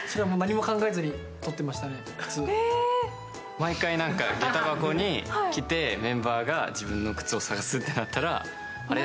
毎回下駄箱に来て、メンバーが自分の靴を探すってなったら、あれ？